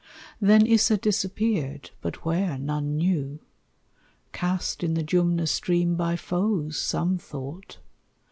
Then Issa disappeared, but where, none knew; Cast in the Jumna stream, by foes, some thought.